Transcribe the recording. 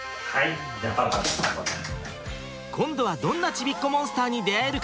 今度はどんなちびっこモンスターに出会えるかな？